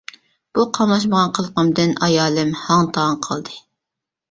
بۇ قاملاشمىغان قىلىقىمدىن ئايالىم ھاڭ-تاڭ قالدى.